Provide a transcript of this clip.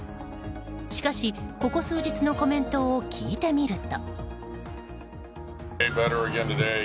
しかし、ここ数日のコメントを聞いてみると。